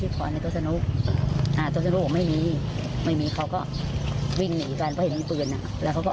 เขาจะมีอาการแบบนี้ประจำ